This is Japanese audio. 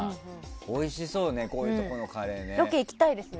おいしそうねこういうところのカレーね。